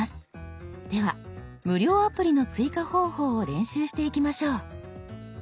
では無料アプリの追加方法を練習していきましょう。